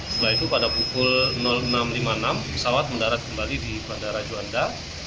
pesawat menerbangkan pesawat kembali pada bandara juanda